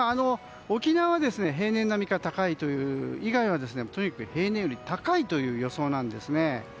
沖縄が平年並みか高いという以外はとにかく平年より高いという予想なんですね。